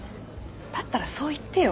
だったらそう言ってよ。